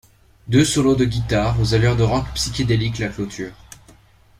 Deux solos de guitare, aux allures de rock psychédélique, la clôturent.